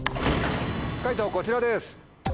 解答こちらです。